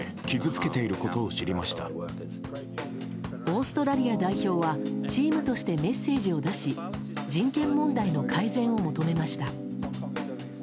オーストラリア代表はチームとしてメッセージを出し人権問題の改善を求めました。